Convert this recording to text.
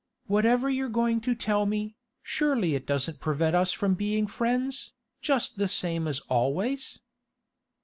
Whatever you're going to tell me, surely it doesn't prevent us from being friends, just the same as always?